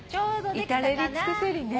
至れり尽くせりねぇ。